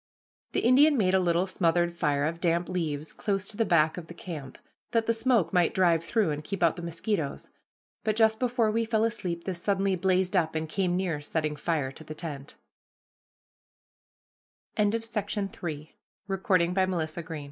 The Indian made a little smothered fire of damp leaves close to the back of the camp, that the smoke might drive through and keep out the mosquitoes, but just before we fell asleep this suddenly blazed up and came near setting fire to t